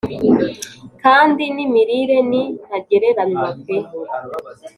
kandi n’imirire ni ntagereranywa pe!